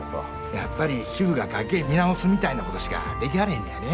やっぱり主婦が家計見直すみたいなことしかできはれへんのやねぇ。